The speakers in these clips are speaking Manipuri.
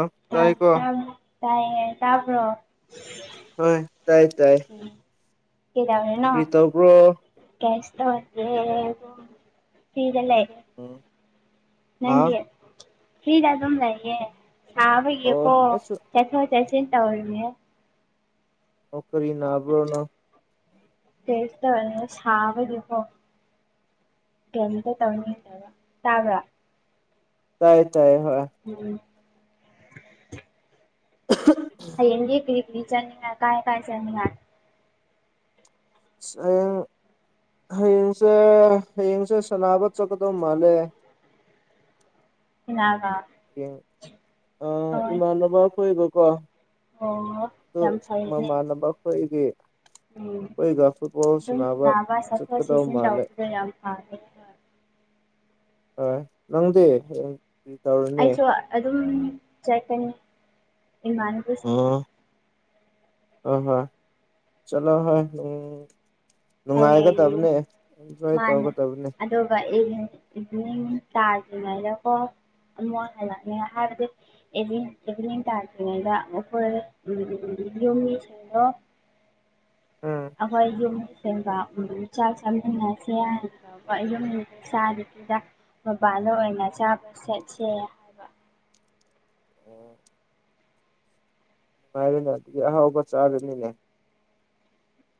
ꯑ ꯇ ꯇꯥꯏꯀꯣ ꯇ ꯇꯥꯏꯌꯦ ꯇꯥꯕ꯭ꯔꯣ ꯍꯣꯏ ꯇꯥꯏ ꯇꯥꯏ ꯎ ꯀꯦꯗꯧꯔꯦ ꯀ꯭ꯔꯤ ꯇꯧꯕ꯭ꯔꯣ? ꯀꯩꯁꯨ ꯇꯧꯗꯦ ꯐ꯭ꯔꯤꯗ ꯂꯩꯔꯦ ꯎꯝ ꯍꯥ ꯅꯪꯗꯤ ꯐ꯭ꯔꯤꯗ ꯑꯗꯨꯝ ꯂꯩꯌꯦ ꯑꯣ ꯁꯥꯕꯒꯤꯀꯣ ꯑꯩꯁꯨ ꯆꯠꯊꯣꯛ ꯆꯠꯁꯤꯟ ꯇꯩꯔꯤꯌꯦ ꯑꯣ ꯀꯔꯤ ꯅꯥꯕ꯭ꯔꯣ ꯅꯪ ꯀꯩꯁꯨ ꯇꯧꯗꯦ ꯁꯕꯥꯒꯤꯀꯣ ꯀꯩꯝꯇꯥ ꯇꯧꯅꯤꯡꯗꯕ ꯇꯥꯕ꯭ꯔ ꯇꯥꯏ ꯇꯥꯏꯌꯦ ꯍꯣꯏ ꯎꯝ [unintelligible] ꯍꯌꯦꯡꯗꯤ ꯀ꯭ꯔꯤ ꯀ꯭ꯔꯤ ꯆꯠꯅꯤꯡꯉꯥꯏ ꯀꯥꯏ ꯀꯥꯏ ꯆꯠꯅꯤꯡꯉꯥꯏ ꯏꯁ ꯍꯌꯦꯡ ꯍꯌꯦꯡꯁꯦ ꯍꯌꯦꯡꯁꯦ ꯁꯟꯅꯥꯕ ꯆꯠꯀꯗꯧ ꯃꯥꯜꯂꯦ ꯀꯅꯒꯥ ꯍꯌꯦꯡ ꯑ ꯏꯃꯥꯟꯅꯕ ꯑꯈꯣꯏꯒ ꯀꯣ ꯑꯣ ꯑꯗꯨ ꯌꯥꯝ ꯐꯩꯅꯦ ꯃꯃꯥꯟꯅꯕ ꯈꯣꯏꯒꯤ ꯎꯝ ꯈꯣꯏꯒ ꯐꯨꯠꯕꯣꯜ ꯑꯗꯨꯝ ꯁꯅꯥꯕ ꯆꯠꯀꯗꯧ ꯃꯜꯂꯦ ꯇꯥꯗꯦ ꯍꯣꯏ ꯅꯪꯗꯤ ꯀ꯭ꯔꯤ ꯇꯧꯔꯤ ꯑꯩꯁꯨ ꯑꯗꯨꯝ ꯆꯠꯀꯅꯤ ꯏꯃꯟ ꯑꯣ ꯍꯣꯏ ꯍꯣꯏ ꯆꯠꯂꯣ ꯍꯣꯏ ꯎꯝ ꯍꯌꯦꯡ ꯅꯨꯡꯉꯥꯏꯒꯗꯕꯅꯦ ꯑꯦꯟꯖꯣꯏ ꯃꯥꯅ ꯇꯧꯒꯗꯕꯅꯦ ꯑꯗꯨꯒ ꯏꯕꯤ ꯏꯚꯤꯅꯤꯡ ꯇꯥꯗ꯭ꯔꯤꯉꯩꯗ ꯀꯣ ꯑꯃꯨꯛ ꯍꯜꯂꯥꯛꯅꯤ ꯍꯥꯏꯕꯗꯤ ꯑꯦꯚꯦ ꯏꯚꯦꯅꯤꯡ ꯇꯥꯗ꯭ꯔꯤꯉꯩꯗ ꯑꯩꯈꯣꯏ [unintelligible] ꯃꯤꯁꯤꯡꯗꯣ ꯎꯝ ꯑꯩꯈꯣꯏ ꯌꯨꯝ ꯄꯦ ꯎꯝ ꯆꯥꯛ ꯆꯥꯃꯤꯟꯅꯁꯦ ꯍꯥꯏꯅꯥ ꯇꯧꯕꯥ ꯌꯨꯝꯒꯤ ꯆꯥꯗꯣꯏꯅꯤꯗ ꯃꯄꯥꯟꯗ ꯑꯣꯏꯅ ꯆꯥꯕ ꯁꯦꯠꯁꯦ ꯑꯣ ꯑꯗꯨꯅꯥꯗꯤ ꯑꯍꯥꯎꯕ ꯆꯥꯒꯅꯤꯅꯦ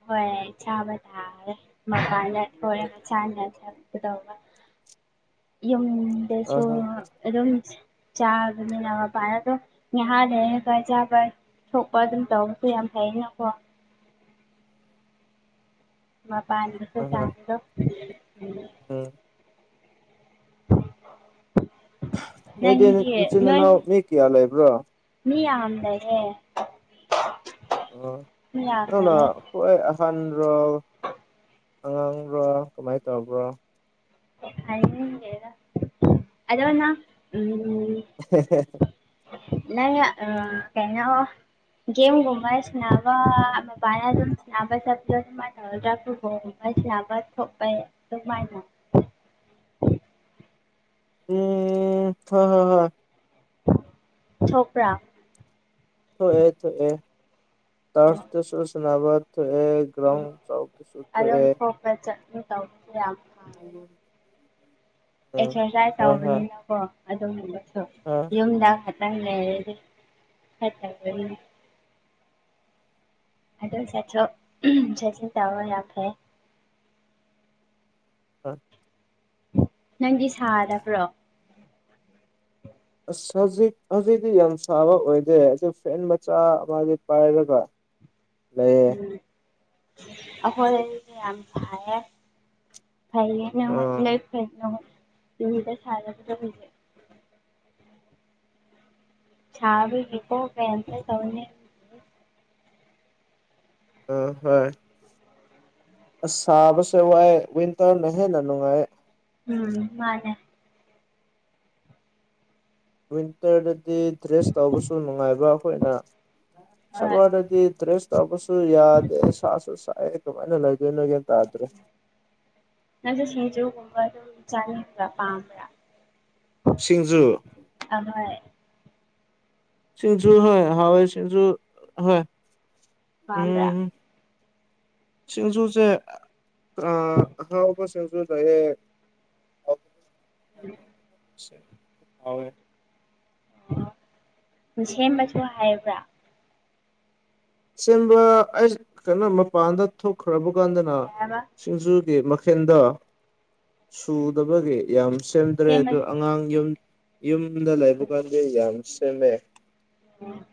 ꯍꯣꯏ ꯆꯥꯕ ꯇꯥꯔꯦ ꯃꯄꯟꯗ ꯀꯣꯏꯔꯒ ꯆꯅꯤꯡꯉꯏ ꯆꯥꯠꯀꯗꯧꯕ ꯌꯨꯝ ꯑꯍꯥ [unintelligible] ꯑꯗꯨꯝꯁ ꯆꯥꯕꯅꯤꯅ ꯃꯄꯥꯟꯗ ꯑꯗꯨꯝ ꯉꯍꯛꯂꯩꯔꯒ ꯆꯥꯕ ꯊꯣꯛꯄ ꯑꯗꯨꯝ ꯇꯧꯕꯁꯨ ꯌꯥꯝ ꯐꯩꯌꯦꯅꯀꯣ ꯃꯥꯄꯥꯟꯗꯁꯨ ꯑꯍꯥ ꯆꯥꯕꯗꯣ [unintelligible] ꯎꯝ ꯅꯣꯏꯗꯤ ꯅꯪꯗꯤ ꯅꯆꯤꯟ ꯅꯣꯏ ꯅꯅꯥꯎ ꯃꯤ ꯀꯌꯥ ꯂꯩꯕ꯭ꯔꯣ ꯃꯤ ꯌꯥꯝ ꯂꯩꯍꯦ ꯑꯣ ꯃꯤ ꯌꯥꯝ ꯅꯪꯅ ꯂꯩꯌꯦ ꯍꯣꯏ ꯑꯍꯟꯔꯣ ꯑꯉꯥꯡꯔꯣ ꯀꯃꯥꯏ ꯇꯧꯕ꯭ꯔꯣ ꯍꯥꯏꯅꯤꯡꯗꯦꯗ ꯑꯗꯣ ꯅꯪ ꯎꯝ ꯍꯦ ꯍꯦ ꯍꯦ ꯅꯪꯅ ꯑ ꯀꯩꯅꯣ ꯒꯦꯝꯒꯨꯝꯕ ꯁꯅꯕ ꯃꯄꯥꯟꯗ ꯑꯗꯨꯝ ꯁꯅꯕ ꯆꯠꯄ ꯁꯨꯃꯥꯏ ꯇꯧꯔꯒ [unintelligible] ꯋꯥꯔꯤ ꯁꯥꯅꯕ ꯊꯣꯛꯑꯦ ꯑꯗꯨꯃꯥꯏꯅ ꯑꯦ ꯐꯥ ꯍꯥ ꯍꯥ ꯊꯣꯛꯄ꯭ꯔꯥ ꯊꯣꯛꯑꯦ ꯊꯣꯛꯑꯦ ꯇꯔꯐꯇꯁꯨ ꯁꯅꯥꯕ ꯊꯣꯛꯑꯦ ꯒ꯭ꯔꯥꯎꯟ ꯆꯥꯎꯕꯗꯁꯨ [unintelligible] ꯑꯗꯨꯝ ꯊꯣꯛꯑꯦ ꯊꯣꯛꯄ ꯆꯠꯅꯤꯡ ꯇꯧꯕꯁꯤ ꯌꯥꯝ [unintelligible] [unintelligible] ꯑꯦꯛꯁꯔꯁꯥꯏꯁ ꯇꯧꯕꯅꯤꯅꯀꯣ ꯑꯗꯨꯒꯨꯝꯕꯁꯨ ꯑꯥ ꯌꯨꯝꯗ ꯈꯛꯇꯪ ꯂꯩꯔꯗꯤ ꯐꯠꯇꯕꯅꯤꯅꯦ ꯑꯗꯨꯝ ꯆꯠꯊꯣꯛ ꯎꯝ ꯆꯠꯁꯤꯟ ꯇꯧꯕ ꯌꯥꯝ ꯐꯩ ꯑꯥ ꯅꯪꯗꯤ ꯁꯥꯗꯕ꯭ꯔꯣ ꯑꯁ ꯍꯧꯖꯤꯛ ꯍꯩꯖꯤꯛꯇꯤ ꯌꯥꯝ ꯁꯥꯕ ꯑꯣꯏꯗꯦ ꯑꯗꯨ ꯐꯦꯟ ꯃꯆꯥ ꯑꯃꯗꯤ ꯄꯥꯏꯔꯒ [inaudible] ꯂꯩꯌꯦ ꯎꯝ ꯑꯩꯈꯣꯏꯗꯗꯤ ꯁꯦ ꯌꯥꯝ ꯁꯥꯏꯌꯦ ꯐꯩꯌꯦ ꯅꯪ ꯑ ꯑꫭꯏ ꯅꯣꯏ ꯐꯩ [unintelligible] ꯗꯦꯜꯍꯤꯗ ꯁꯥꯔꯛꯀꯗꯨꯕꯤꯁꯦ ꯁꯥꯕꯩꯅꯦꯀꯣ ꯐꯦꯟꯗ ꯇꯧꯏꯅꯦ ꯑꯥ ꯍꯣꯏ ꯑꯁ ꯁꯥꯕꯁꯦ ꯋꯥꯏ ꯋꯤꯟꯇꯔꯅ ꯍꯦꯟꯅ ꯅꯨꯡꯉꯥꯏꯌꯦ ꯎꯝ ꯃꯥꯅꯦ ꯋꯤꯟꯇꯔꯗꯗꯤ ꯗ꯭ꯔꯦꯁ ꯇꯧꯕꯁꯨ ꯅꯨꯡꯉꯥꯏꯕ ꯑꯈꯣꯏꯅ ꯍꯣꯏ ꯁꯃꯔꯗꯗꯤ ꯗ꯭ꯔꯦꯁ ꯇꯧꯕꯁꯨ ꯌꯥꯗꯦ ꯁꯥꯁꯨ ꯁꯥꯏꯑꯦ ꯀꯃꯥꯏꯅ ꯂꯩꯗꯣꯏꯅꯣ ꯒ꯭ꯌꯥꯟ ꯇꯥꯗ꯭ꯔꯦ ꯅꯪꯁꯨ ꯁꯤꯡꯖꯨ ꯒꯨꯝꯕꯗꯨꯝ ꯆꯥꯅꯤꯡꯕ꯭ꯔꯥ ꯄꯥꯝꯕ꯭ꯔꯥ ꯁꯤꯡꯖꯨ ꯑꯍꯣꯏ ꯁꯤꯡꯖꯨ ꯍꯣꯏ ꯍꯥꯎꯋꯦ ꯁꯤꯡꯖꯨ ꯍꯣꯏ ꯄꯥꯝꯕ꯭ꯔꯥ ꯎꯝ ꯁꯤꯡꯖꯨꯁꯦ ꯑ ꯑꯍꯥꯎꯕ ꯁꯤꯡꯖꯨ ꯂꯩꯌꯦ ꯍꯥꯎꯇꯕ [unintelligible] ꯍꯥꯎꯋꯦ ꯑꯣ ꯁꯦꯝꯕꯁꯨ ꯍꯥꯏꯕ꯭ꯔꯥ ꯁꯦꯝꯕ ꯑꯩꯁ ꯀꯩꯅꯣ ꯃꯄꯥꯟꯗ ꯊꯣꯛꯈ꯭ꯔꯥꯕ ꯀꯥꯟꯗꯅ ꯀꯩ ꯍꯥꯏꯕ ꯁꯤꯡꯖꯨꯒꯤ ꯃꯈꯦꯟꯗꯣ ꯁꯨꯗꯕꯒꯤ ꯌꯥꯝ ꯁꯦꯝ ꯇ꯭ꯥꯔꯦ ꯁꯦꯝꯕ ꯑꯗꯣ ꯑꯉꯥꯡ ꯌꯨꯝ ꯌꯨꯝꯗ ꯂꯩꯕ ꯀꯥꯟꯗꯤ ꯌꯥꯝ ꯁꯦꯝꯃꯦ ꯎꯝ ꯫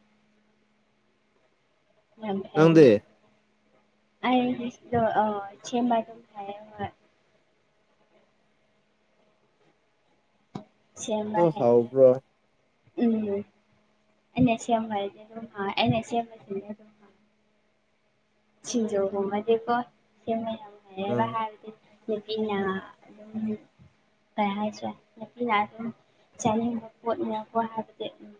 ꯌꯥꯝ ꯅꯪꯗꯤ ꯍꯩꯕꯅꯤ ꯑꯩꯗꯣ ꯑꯧ ꯁꯦꯝꯕꯗꯨꯝ ꯍꯩꯌꯦ ꯍꯣꯏ ꯁꯦꯝꯕ ꯑꯗꯨ ꯍꯩꯌꯦ ꯍꯥꯎꯕ꯭ꯔꯣ ꯎꯝ ꯑꯩꯅ ꯁꯦꯝꯕ ꯍꯩꯔꯗꯤ ꯑꯗꯨꯝ ꯍꯣꯏ ꯑꯩꯅ ꯁꯦꯝꯕꯗꯤꯅꯦ ꯑꯗꯨꯝ ꯍꯥꯎꯋꯦ ꯁꯤꯡꯖꯨꯒꯨꯝꯕꯗꯤꯀꯣ ꯁꯦꯝꯕ ꯌꯥꯝ ꯍꯩꯌꯦꯕ ꯎꯝ ꯍꯥꯏꯕꯗꯤ ꯅꯨꯄꯤꯅ ꯑꯗꯨꯝ ꯀꯩ ꯍꯥꯏꯁꯦꯔ ꯅꯨꯄꯤꯅ ꯑꯗꯨꯝ ꯆꯥꯅꯤꯡꯕ ꯄꯣꯠꯅꯦꯀꯣ ꯍꯥꯏꯕꯗꯤ ꯎꯝ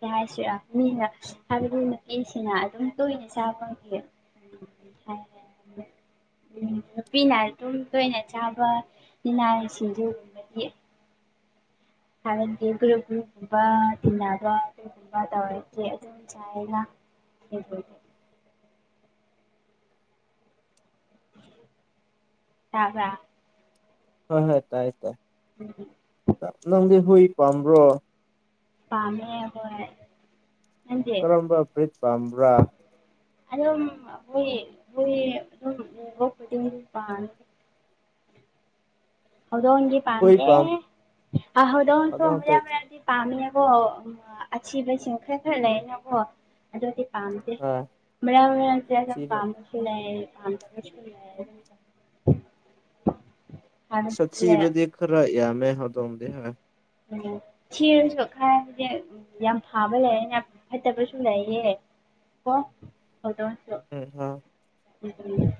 ꯀꯩ ꯍꯥꯏꯁꯤꯔ ꯃꯤꯅ ꯍꯥꯏꯕꯗꯤ ꯅꯨꯄꯤꯁꯤꯡꯅ ꯑꯗꯨꯝ ꯇꯣꯏꯅ ꯆꯥꯕꯒꯤ [unintelligible] ꯍꯥꯏ [unintelligible] ꯅꯨꯄꯤꯅ ꯑꯗꯨꯝ ꯇꯣꯏꯅ ꯆꯥꯕ ꯇꯤꯅꯥꯏ ꯁꯤꯡꯖꯨ ꯍꯥꯟꯅꯗꯤ ꯒ꯭ꯔꯨꯞ ꯒ꯭ꯔꯨꯞꯀꯨꯝꯕ ꯇꯤꯟꯅꯕ ꯑꯗꯨꯒꯨꯝꯕ ꯇꯧꯔꯗꯦ ꯑꯗꯨꯝ ꯆꯥꯏꯌꯦꯅ [unintelligible] ꯆꯥꯕꯔ꯭ꯥ ꯍꯣꯏ ꯍꯣꯏ ꯇꯥꯏꯌꯦ ꯇꯥꯏ ꯎꯝ ꯇꯞ ꯅꯪꯗꯤ ꯍꯨꯏ ꯄꯝꯕꯔꯣ ꯄꯥꯝꯃꯦ ꯍꯣꯏ ꯅꯪꯗꯤ ꯀꯔꯝꯕ ꯕꯔ꯭ꯤꯠ ꯄꯥꯝꯕ꯭ꯔꯥ ꯑꯗꯨꯝ [unintelligible] ꯎꯕ ꯈꯨꯗꯤꯡ ꯄꯥꯝꯃꯦ ꯍꯧꯗꯣꯟꯗꯤ ꯍꯨꯏ ꯄꯥꯟꯗꯦ ꯄꯥꯝ ꯑ ꯍꯧꯗꯣꯡꯁꯨ ꯍꯧꯗꯣꯡꯇꯩ ꯃꯔꯛ ꯃꯔꯛꯗꯤ ꯄꯥꯝꯃꯦꯕꯣ ꯎꯡ ꯑꯊꯤꯕꯁꯤꯡ ꯈꯔ ꯈꯔ ꯂꯩꯌꯦꯅꯒꯣ ꯑꯗꯨꯗꯤ ꯄꯥꯝꯗꯦ ꯑ ꯃꯔꯛ ꯃꯔꯛꯗꯤ ꯑꯗꯨꯝ ꯊꯤꯕ ꯄꯥꯝꯕꯁꯨ ꯂꯩ ꯄꯥꯝꯗꯕꯁꯨ ꯂꯩ ꯍꯥꯏꯕꯗꯤ ꯁꯊꯤꯕꯗꯤ ꯈꯔ ꯌꯥꯝꯃꯦ ꯍꯧꯗꯣꯡꯗꯤ ꯍꯣꯏ ꯎꯝ ꯊꯤꯔꯁꯨ ꯈꯔ ꯍꯥꯏꯗꯤ ꯎꯝ ꯌꯥꯝ ꯐꯥꯕ ꯂꯩꯌꯦꯅ ꯐꯠꯇꯕꯁꯨ ꯂꯩꯌꯦ ꯀꯣ ꯍꯧꯗꯣꯛꯁꯨ ꯎꯝ ꯍꯥ ꯎꯝ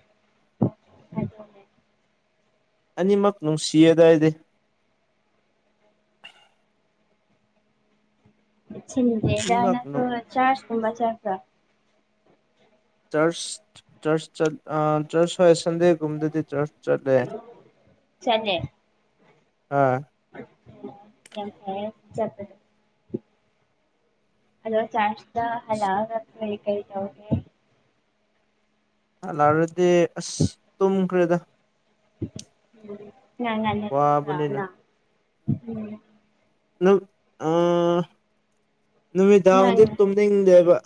ꯑꯅꯤꯃꯛ ꯅꯨꯡꯁꯤꯌꯦꯗꯥ ꯑꯩꯗꯤ ꯆꯤꯟꯗꯦꯗ ꯑꯅꯤꯃꯛ ꯅꯡꯖꯨ ꯅꯨꯡ ꯆꯔꯆ ꯀꯨꯝꯕ ꯆꯠꯄꯔ꯭ ꯆꯔꯆ ꯆꯔꯆ ꯆꯠ ꯑꯥ ꯆꯔꯆ ꯍꯣꯏ ꯁꯟꯗꯦ ꯇꯨꯝꯗꯗꯤ ꯆꯔꯆ ꯆꯠꯂꯦ ꯑꯥ ꯎꯝ ꯌꯥꯝ ꯐꯥꯌꯦ ꯆꯠꯄꯁꯨ ꯑꯗꯣ ꯆꯔꯆꯇ ꯍꯜꯂꯛꯑꯒ ꯀꯔꯤ ꯀꯔꯤ ꯇꯧꯒꯦ ꯍꯟꯅꯔꯗꯤ ꯑꯁ ꯇꯨꯝꯈꯔ꯭ꯦꯗꯥ ꯌꯥꯝ ꯉꯟꯅ ꯇꯨꯝꯕꯔꯣ ꯋꯥꯕꯅꯤꯅ ꯅꯡ ꯎꯝ ꯅꯡ ꯑꯥ ꯉꯟ ꯅꯨꯃꯤꯗꯥꯡꯗꯤ ꯇꯨꯝꯅꯤꯡꯗꯦꯕ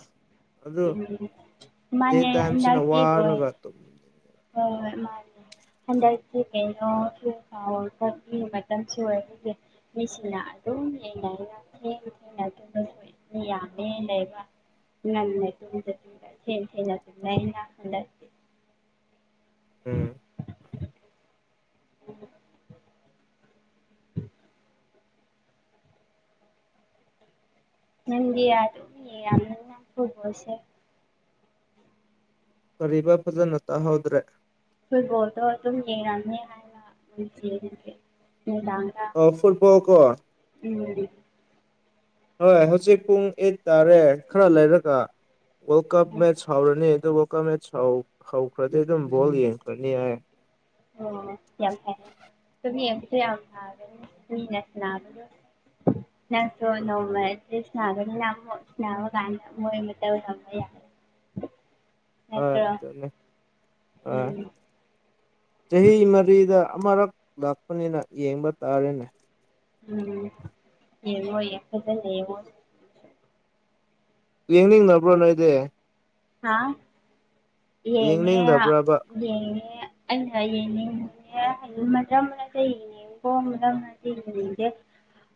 ꯑꯗꯨ ꯎꯝ ꯗꯦ ꯃꯥꯅꯦ ꯇꯥꯏꯝꯁꯤꯅ ꯍꯟꯗꯛꯇꯤ ꯂꯣꯏ ꯋꯥꯔꯒ ꯇꯨꯝ ꯍꯣꯏ ꯃꯥꯅꯦ ꯍꯟꯗꯛꯇꯤ ꯀꯩꯅꯣꯁꯨ [unintelligible] ꯆꯥꯎꯕꯒꯤ ꯃꯇꯝꯁꯨ ꯑꯣꯏꯕꯒꯤ ꯃꯤꯁꯤꯡꯅ ꯑꯗꯨꯝ ꯂꯩꯅꯔꯒ ꯊꯦꯡ ꯊꯦꯡꯅ ꯑꯗꯨꯕꯁꯨ ꯃꯤ ꯌꯥꯝꯃꯦ ꯂꯩꯕ ꯉꯟꯅ ꯇꯨꯝꯗꯕꯤꯗ ꯊꯦꯡ ꯊꯦꯡꯅ ꯇꯨꯝꯃꯦꯅ ꯍꯟꯗꯛ ꯎꯝ ꯎꯝ ꯅꯪꯗꯤ ꯑꯗꯨꯝ ꯌꯦꯡꯉꯝꯅꯤꯅ ꯐꯨꯠꯕꯣꯜꯁꯦ ꯀꯔꯤꯕꯥ ꯐꯖꯟꯅ ꯇꯥꯍꯧꯗ꯭ꯔꯦ ꯐꯨꯠꯕꯣꯜꯗꯣ ꯑꯗꯨꯝ ꯌꯦꯡꯉꯝꯅꯤ ꯍꯥꯏꯅ [unintelligible] ꯅꯨꯡꯗꯥꯡ ꯑꯣ ꯐꯨꯠꯕꯣꯜ ꯀꯣ ꯎꯝ ꯍꯣꯏ ꯍꯧꯖꯤꯛ ꯄꯨꯡ ꯑꯩꯠ ꯇꯥꯔꯦ ꯈꯔ ꯂꯩꯔꯒ ꯋꯥꯔꯜ ꯀꯞ ꯎꯝ ꯃꯦꯠꯆ ꯍꯧꯔꯅꯤ ꯑꯗꯨꯕꯨ ꯀꯞ ꯃꯦꯠꯁ ꯍꯧ ꯍꯧꯈ꯭ꯔꯗꯤ ꯑꯗꯨꯝ ꯕꯣꯜ ꯌꯦꯡꯈ꯭ꯔꯅꯤ ꯑꯩ ꯑꯣ ꯌꯥꯝ ꯐꯥꯌꯦ ꯗꯨꯝ ꯌꯦꯡꯕꯁꯨ ꯌꯥꯝ ꯐꯒꯅꯤ ꯃꯤꯅ ꯁꯟꯅꯥꯕꯗꯨ ꯅꯠꯇꯔꯣ ꯅꯣꯃꯦꯠ [unintelligible] ꯍꯣꯏ ꯗꯨꯅꯦ ꯑ ꯎꯝ ꯆꯍꯤ ꯃꯔꯤꯗ ꯑꯃꯔꯛ ꯂꯥꯛꯄꯅꯤꯅ ꯌꯦꯡꯕ ꯇꯥꯔꯦꯅꯦ ꯎꯝ ꯌꯦꯡꯉꯣ ꯌꯥ ꯐꯖꯅ ꯌꯦꯡꯉꯣ ꯌꯦꯡꯅꯤꯡꯅꯕ꯭ꯔꯣ ꯅꯣꯏꯗꯤ ꯍꯥ ꯌꯦꯡꯉꯦ ꯌꯦꯡꯅꯤꯡꯗꯕ꯭ꯔꯕ ꯌꯦꯡꯉ ꯑꯩꯅ ꯌꯦꯡ [unintelligible] ꯍꯥꯏꯂꯨ ꯃꯖ ꯃ ꯇꯥꯏꯅꯦ ꯃꯥꯦ [unintelligible]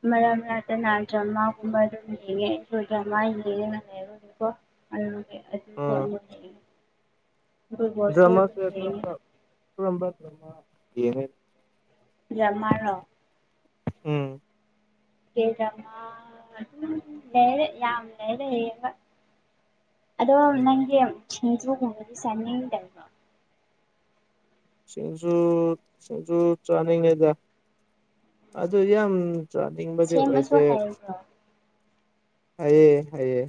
ꯃꯔꯝ ꯍꯥꯏꯕꯨ [unintelligible] ꯅꯖꯃ ꯀꯨꯝ ꯑꯗꯨ ꯍꯦ ꯨꯔꯖꯃ ꯎꯝ ꯏ [unintelligible] ꯗꯔ꯭ꯃꯥꯁꯦ ꯌꯦꯡꯉꯤ ꯀꯔꯝꯕ ꯀꯔꯝꯕ ꯗ꯭ꯔꯃꯥ ꯌꯦꯡꯉꯦ ꯗꯔ꯭ꯃꯥꯔꯣ ꯎꯝ ꯀꯦ ꯗꯔ꯭ꯃꯥ ꯎꯝ ꯂꯩꯔꯦ ꯌꯥꯝ ꯂꯩꯔꯦ ꯌꯦꯡꯕ ꯑꯗꯣꯝ ꯎꯝ ꯅꯪꯗꯤ ꯁꯤꯡꯖꯨꯒꯨꯝꯕꯗꯤ ꯆꯥꯅꯤꯡꯗ꯭ꯕꯔꯣ ꯁꯤꯡꯖꯨ ꯁꯤꯡꯖꯨ ꯆꯥꯅꯤꯡꯉꯦꯗ ꯑꯗꯨ ꯌꯥꯝ ꯆꯥꯅꯤꯡꯕꯗꯤ ꯁꯦꯝꯕꯁꯨ ꯑꯣꯏꯗꯦ ꯍꯩꯕ꯭ꯔꯣ ꯍꯥꯏꯌꯦ ꯍꯥꯏꯌꯦ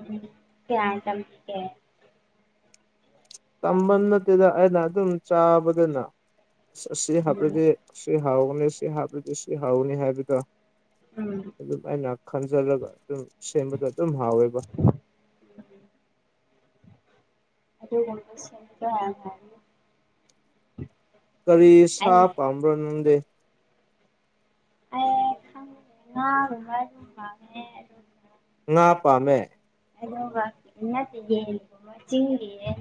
ꯎꯝ ꯀꯌꯥꯅꯥ ꯇꯝꯄꯤꯀꯦ ꯇꯝꯕ ꯅꯠꯇꯦꯗ ꯑꯩꯅ ꯑꯗꯨꯝ ꯆꯥꯕꯗꯅ ꯑꯁ ꯑꯁꯤ ꯎꯝ ꯍꯥꯏꯕꯗꯤ ꯁꯤ ꯍꯥꯎꯕꯅꯤ ꯁꯤ ꯍꯥꯞꯄꯗꯤ ꯁꯤ ꯍꯥꯎꯅꯤ ꯍꯥꯏꯕꯗꯣ ꯎꯝ ꯑꯗꯨꯝ ꯑꯩꯅ ꯈꯟꯖꯤꯜꯂꯒ ꯑꯗꯨꯝ ꯁꯦꯝꯕꯗꯣ ꯑꯗꯨꯝ ꯍꯥꯎꯌꯦꯕ [unintelligible] ꯀꯔꯤ ꯁꯥ ꯑꯩ ꯄꯥꯝꯕ꯭ꯔꯣ ꯅꯪꯗꯤ ꯑꯩ ꯈꯪ ꯉꯥꯒꯨꯝꯕꯗꯤ ꯄꯥꯝꯃꯦ ꯉꯥ ꯄꯥꯝꯃꯦ ꯑꯗꯨꯒ ꯅꯠꯇꯦ ꯌꯦꯟꯒꯨꯝꯕ ꯆꯤꯡꯒꯤ ꯌꯦꯟ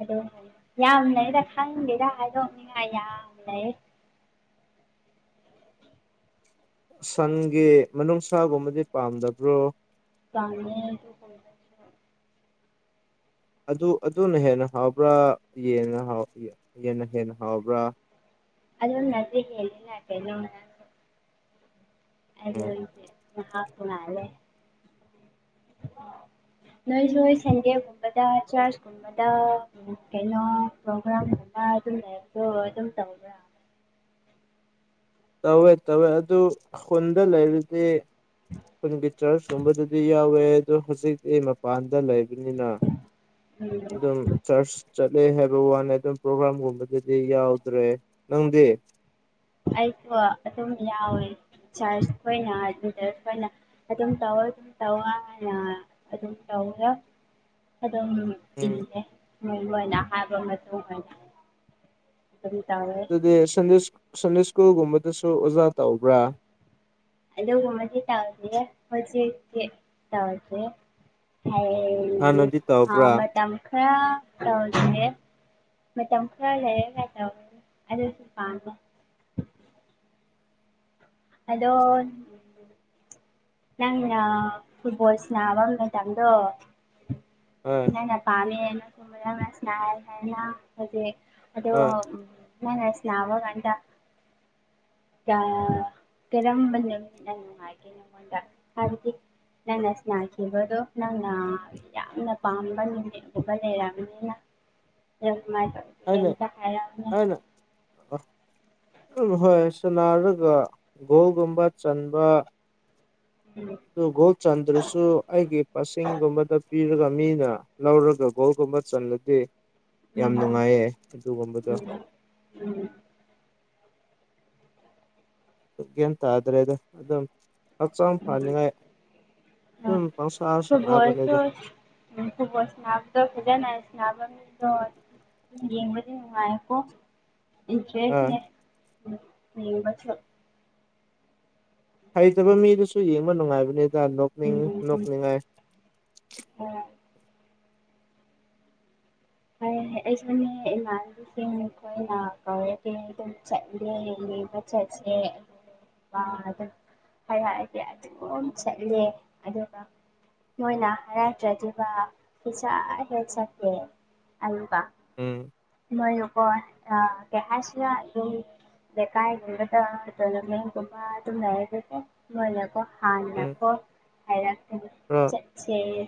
ꯑꯗꯨꯒ ꯌꯥꯝ ꯂꯩꯗ ꯈꯪꯗꯦꯗ ꯍꯥꯏꯗꯣꯛꯅꯤꯡꯉꯥꯏ ꯌꯥꯝ ꯂꯩ ꯁꯟꯒꯤ ꯃꯅꯨꯡꯁꯥꯒꯨꯝꯕꯗꯤ ꯄꯥꯝꯗꯕ꯭ꯔꯣ ꯄꯥꯝꯃꯦ ꯎꯝ ꯎꯝ ꯎꯝ ꯑꯗꯨ ꯑꯗꯨꯅ ꯍꯦꯟꯅ ꯍꯥꯎꯕ꯭ꯔꯥ ꯌꯦꯟꯅ ꯍꯥꯎ ꯌꯦꯟꯅ ꯍꯦꯟꯅ ꯍꯥꯎꯕ꯭ꯔꯥ ꯑꯗꯨꯅꯗꯤ ꯍꯦꯜꯂꯦ ꯀꯩꯅꯣꯅꯦ ꯎꯝ ꯑꯗꯨꯅꯤ ꯍꯥꯞꯄꯣ ꯉꯥꯏꯔꯦ ꯅꯣꯏꯁꯨ ꯅꯣꯏ ꯁꯟꯗꯦꯒꯨꯝꯕꯗ ꯆ꯭ꯔꯆꯀꯨꯝ ꯀꯨꯝꯕꯗ ꯀꯩꯅꯣ ꯇꯧꯕꯔꯥ [unintelligible] ꯑꯗꯣ ꯑꯗꯨꯝ ꯇꯧꯕꯔꯥ ꯇꯧꯋꯦ ꯇꯧꯋꯦ ꯑꯗꯨ ꯈꯨꯟꯗ ꯂꯩꯔꯗꯤ ꯈꯨꯟꯒꯤ ꯆꯔꯆꯀꯨꯝꯕꯗꯗꯤ ꯌꯥꯎ ꯍꯣꯏ ꯑꯗꯨ ꯍꯧꯖꯤꯛꯇꯤ ꯃꯄꯥꯟꯗ ꯂꯩꯕꯅꯤꯅ ꯎꯝ ꯑꯗꯨꯝ ꯆ꯭ꯔꯁ ꯆꯠꯂꯦ ꯍꯥꯏꯕ ꯋꯥꯅꯦ ꯑꯗꯨꯝ ꯄ꯭ꯔꯣꯒ꯭ꯔꯥꯝꯒꯨꯝꯕꯗꯗꯤ ꯌꯥꯎꯗ꯭ꯔꯦ ꯅꯪꯗꯤ ꯑꯩꯗꯣ ꯑꯗꯨꯝ ꯌꯥꯎꯋꯦ ꯁꯥꯔꯖ ꯍꯣꯏꯅ ꯂꯤꯗꯔ ꯍꯣꯏꯅ ꯑꯗꯨꯝ ꯇꯧꯋꯦ ꯑꯗꯨꯝ ꯇꯧꯑꯣ ꯍꯥꯏꯅ ꯑꯗꯨꯝ ꯇꯧꯔ ꯑꯗꯨꯝ ꯎꯝ ꯏꯜꯂꯦ ꯃꯣꯏ ꯃꯣꯏꯅ ꯍꯥꯏꯕ ꯃꯇꯨꯡ ꯏꯟ ꯑꯗꯨꯝ ꯇꯧꯌꯦ ꯗꯦ ꯁꯦꯂꯤꯁ ꯁꯦꯂꯤꯁꯀꯣ ꯒꯨꯝꯕꯗꯁꯨ ꯑꯣꯖꯥ ꯇꯧꯕ꯭ꯔꯥ ꯑꯗꯨꯒꯨꯝꯕꯗꯤ ꯇꯧꯗꯤꯌꯦ ꯍꯧꯖꯤꯛꯇꯤ ꯇꯧꯗꯦ ꯍꯌꯦꯡꯒꯤ ꯍꯥꯟꯅꯗꯤ ꯊꯥ ꯇꯧꯕ꯭ꯔꯥ ꯃꯇꯝ ꯈꯔ‌ꯥ ꯇꯧꯗꯤꯌꯦ ꯃꯇꯝ ꯈꯔꯥ ꯂꯩꯔꯒ ꯇꯧꯅꯤ ꯑꯗꯨ ꯄꯥꯝꯃꯦ ꯑꯗꯣꯟ ꯅꯪꯅ ꯐꯨꯠꯕꯣꯜ ꯁꯥꯟꯅꯕ ꯃꯇꯝꯗꯣ ꯍꯣꯏ ꯅꯪꯅ ꯄꯥꯝꯃꯦꯅ ꯅꯪꯅ ꯁꯥꯟꯅꯩ ꯍꯥꯏꯅ ꯍꯧꯖꯤꯛ ꯍꯣꯏ ꯑꯗꯣꯟ ꯅꯪꯅ ꯁꯥꯟꯀꯥꯟꯗ ꯀ ꯀꯔꯝꯕ ꯅꯨꯃꯤꯠꯅ ꯅꯨꯡꯉꯥꯏꯒꯦ ꯅꯉꯣꯟꯗ ꯍꯥꯏꯕꯗꯤ ꯅꯪꯅ ꯁꯥꯅꯈꯤꯕꯗꯣ ꯅꯪꯅ ꯌꯥꯝꯅ ꯄꯥꯝꯕ ꯅꯨꯃꯤꯠꯒꯨꯝꯕ ꯂꯩꯔꯝꯅꯤꯅ ꯑꯗꯨꯝꯃꯥꯏꯕ ꯑꯩꯅ ꯑꯩꯅ ꯍꯣꯏ ꯁꯅꯥꯔꯒ ꯒꯣꯜꯒꯨꯝꯕ ꯆꯟꯕ ꯎꯝ ꯑꯗꯨ ꯒꯣꯜ ꯆꯟꯗ꯭ꯔꯁꯨ ꯑꯩꯒꯤ ꯄꯁꯤꯡꯒꯨꯝꯕꯗ ꯄꯤꯔꯒ ꯃꯤꯅ ꯂꯧꯔꯒ ꯒꯣꯜꯒꯨꯝꯕ ꯆꯜꯂꯗꯤ ꯌꯥꯝ ꯎꯝ ꯅꯨꯡꯉꯥꯏꯌꯦ ꯑꯗꯨꯒꯨꯝꯕꯗꯣ ꯎꯝ ꯎꯝ ꯑ ꯒꯤꯌꯥꯟ ꯇꯥꯗꯔꯦꯗ ꯑꯗꯨꯝ ꯍꯛꯆꯥꯡ ꯐꯅꯤꯡꯉꯥꯏ ꯎꯝ ꯑꯗꯨꯝ ꯄꯪꯁꯥꯟ ꯐꯨꯠꯕꯣꯜꯁꯨ ꯁꯥꯟꯅꯕꯅꯦꯗ [unintelligible] ꯌ‌ꯦꯡꯕꯗꯤ ꯅꯨꯡꯉꯥꯏꯀꯣ ꯑꯥ ꯏꯟꯇ꯭ꯔ‌ꯦꯁꯅ‌ꯦ ꯌ‌ꯦꯡꯕꯁꯨ꯫ ꯍꯩꯇꯕ ꯃꯤꯗꯨꯁꯨ ꯌꯦꯡꯕ ꯅꯨꯡꯉꯥꯏꯕꯅꯤꯗ ꯅꯣꯛꯅꯤꯡ ꯎꯝ ꯎꯝ ꯅꯣꯛꯅꯤꯡꯉꯥꯏ꯫ ꯍꯥꯏ ꯑꯩꯁꯨꯅ‌ꯦ ꯏꯃꯥꯏ꯫ [unintelligible] ꯆꯠꯁ‌ꯦ꯫ ꯋꯥ ꯑꯗꯨꯝ ꯍꯥꯏ ꯍꯥꯏꯗꯤ ꯑꯗꯨꯝ ꯆꯠꯂꯦ ꯑꯗꯨꯒ꯫ ꯃꯣꯏꯅ ꯍꯥꯏꯔꯛꯇ꯭ꯔꯗꯤꯕ ꯄꯤꯁꯥ ꯍꯦꯛ ꯆꯠꯀꯦ ꯑꯗꯨꯒ꯫ ꯎꯝ꯫ ꯃꯣꯏ ꯅꯀꫭ ꯑꯥ ꯀꯩꯍꯥꯏꯁꯤꯔ ꯑꯗꯨꯝ꯫ ꯂꯩꯀꯥꯏꯒꯨꯝꯕꯗ [unintelligible] ꯃꯣꯏꯅꯀꯣ ꯎꯝ ꯍꯥꯟꯅꯀꯣ ꯍꯥꯏꯔꯛꯈ꯭ꯔꯦ ꯑꯥ ꯆꯠꯁ‌ꯦ꯫